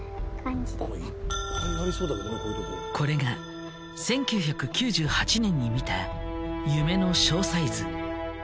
これが１９９８年に見た夢の詳細図。